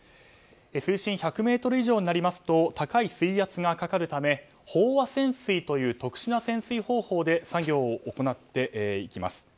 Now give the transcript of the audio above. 水深１００ｍ以上になりますと高い水圧がかかるため飽和潜水という特殊な潜水方法で作業を行っていきます。